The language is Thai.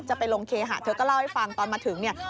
จะไปลงเคหะเธอก็เล่าให้ฟังตอนมาถึงเนี่ย